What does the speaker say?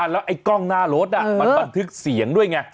แล้วไอ้กล้องหน้ารถมันบันทึกเสียงด้วยไง